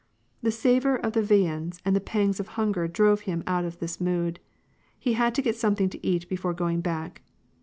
The savor of the viands and the pangs of hunger drove him out of this mood ; he had to get something to eat before going back.